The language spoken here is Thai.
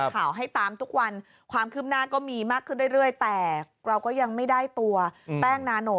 ข่าวให้ตามทุกวันความคืบหน้าก็มีมากขึ้นเรื่อยแต่เราก็ยังไม่ได้ตัวแป้งนาโน